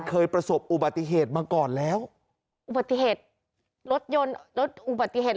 เคยประสบอุบัติเหตุมาก่อนแล้วอุบัติเหตุรถยนต์รถอุบัติเหตุ